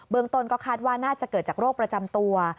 เมืองต้นก็คาดว่าน่าจะเกิดจากโรคประจำตัว